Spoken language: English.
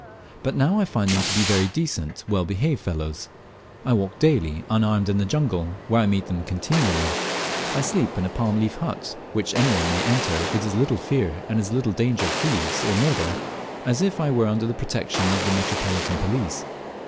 But now I find them to be very decent, well behaved fellows; I walk daily unarmed in the jungle, where I meet them continually; I sleep in a palm leaf hut, which any one may enter, with as little fear and as little danger of thieves or murder as if I were under the protection of the Metropolitan police.